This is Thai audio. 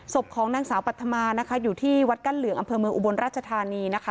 ศพของนางสาวปัธมานะคะอยู่ที่วัดกั้นเหลืองอำเภอเมืองอุบลราชธานีนะคะ